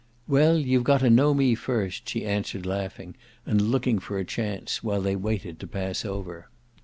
"Well, you've got to know me first," she answered, laughing and looking for a chance, while they waited to pass over.